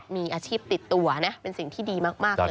มีอาชีพติดตัวนะเป็นสิ่งที่ดีมากเลย